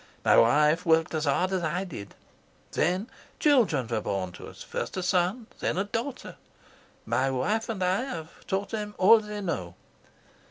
My wife worked as hard as I did. Then children were born to us, first a son and then a daughter. My wife and I have taught them all they know.